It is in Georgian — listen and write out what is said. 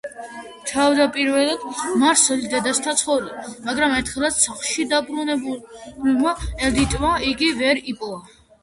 თავდაპირველად მარსელი დედასთან ცხოვრობდა, მაგრამ ერთხელაც სახლში დაბრუნებულმა ედიტმა იგი ვერ იპოვა.